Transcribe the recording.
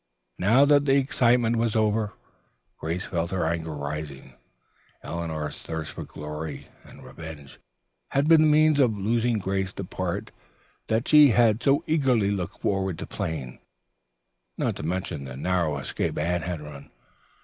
Now that the excitement was over, Grace felt her anger rising. Eleanor's thirst for glory and revenge had been the means of losing Grace the part that she had so eagerly looked forward to playing, not to mention the narrow escape Anne had run.